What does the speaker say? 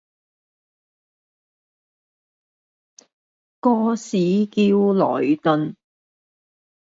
個市叫萊頓